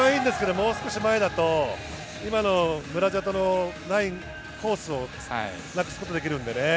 もう少し前だと今のムジャラドのラインコースをなくすことができるのでね。